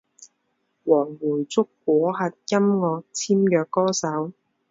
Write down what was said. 王汇筑果核音乐签约歌手。